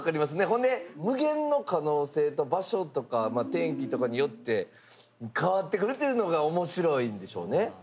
ほんで無限の可能性と場所とかまあ天気とかによって変わってくるっていうのが面白いんでしょうね。